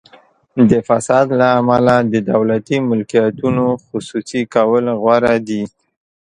د فساد له امله د دولتي ملکیتونو خصوصي کول غوره دي.